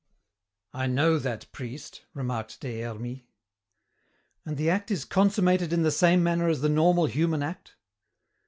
"I know that priest," remarked Des Hermies. "And the act is consummated in the same manner as the normal human act?"